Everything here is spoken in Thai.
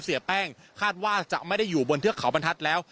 เสียแป้งคาดว่าจะไม่ได้อยู่บนเทือกเขาบรรทัศน์แล้ว